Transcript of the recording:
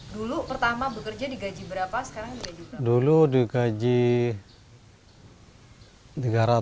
dulu pertama bekerja digaji berapa sekarang digaji berapa